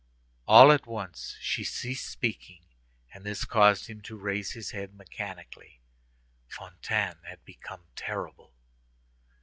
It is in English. All at once she ceased speaking, and this caused him to raise his head mechanically. Fantine had become terrible.